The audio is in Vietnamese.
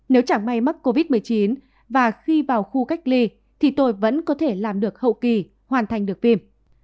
nếu chẳng may mắc covid một mươi chín và khi vào khu cách ly thì tôi vẫn có thể làm được hậu kỳ hoàn thành được tim